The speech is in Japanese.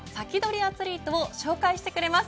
アツリートを紹介してくれます。